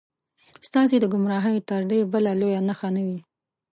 ستاسې د ګمراهۍ تر دې بله لویه نښه نه وي.